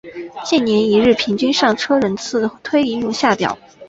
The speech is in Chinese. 近年一日平均上车人次推移如下表。